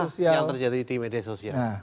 yang terjadi di media sosial